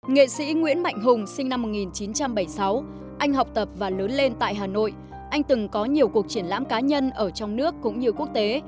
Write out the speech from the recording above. nghệ sĩ nguyễn mạnh hùng sinh năm một nghìn chín trăm bảy mươi sáu anh học tập và lớn lên tại hà nội anh từng có nhiều cuộc triển lãm cá nhân ở trong nước cũng như quốc tế